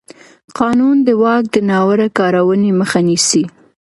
قانون د واک د ناوړه کارونې مخه نیسي.